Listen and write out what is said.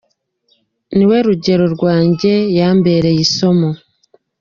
Ni we rugero rwanjye, yambereye isomo.